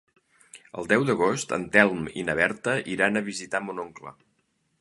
El deu d'agost en Telm i na Berta iran a visitar mon oncle.